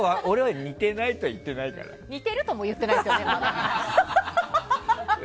似てるとも言ってないですよね。